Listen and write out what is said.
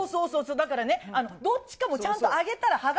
だからね、どっちかもちゃんと揚げたら。はが。